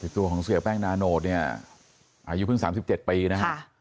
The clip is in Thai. ตัวของเสียแป้งนาโนตเนี่ยอายุเพิ่ง๓๗ปีนะฮะ